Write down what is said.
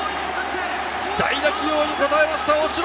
代打起用に応えました、大城。